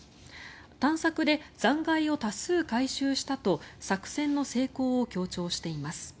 探索で残骸を多数回収したと作戦の成功を強調しています。